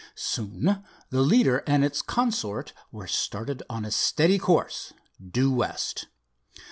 Soon the leader and its consort were started on a steady course, due west.